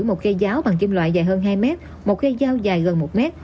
một gây giáo bằng kim loại dài hơn hai mét một gây giáo dài gần một mét